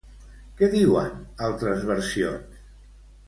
Què diuen altres versions?